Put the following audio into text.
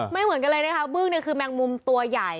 เหมือนกันเลยนะคะบึ้งเนี่ยคือแมงมุมตัวใหญ่